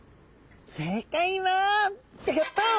正解はギョギョッと！